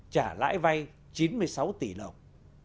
trả lãi vay chín mươi sáu tỷ đồng